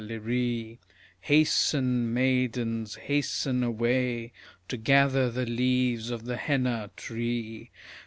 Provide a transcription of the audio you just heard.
LIREE! Hasten, maidens, hasten away To gather the leaves of the henna tree.